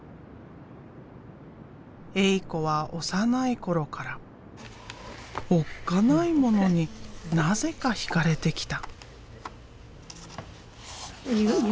エイ子は幼い頃からおっかないものになぜか惹かれてきた。